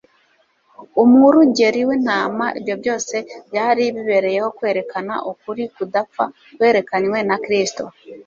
umwurugeri w'intama; ibyo byose byari bibereyeho kwerekana ukuri kudapfa kwerekanywe na Kristo;